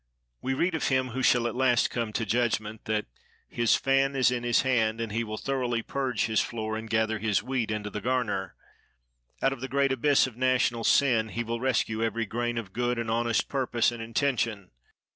We read of Him who shall at last come to judgment, that "His fan is in his hand, and he will thoroughly purge his floor, and gather his wheat into the garner." Out of the great abyss of national sin he will rescue every grain of good and honest purpose and intention.